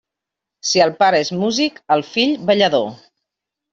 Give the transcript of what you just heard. Si el pare és músic, el fill ballador.